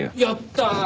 やった！